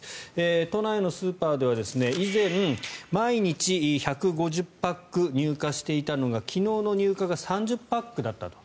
都内のスーパーでは以前毎日１５０パック入荷していたのが昨日の入荷が３０パックだったと。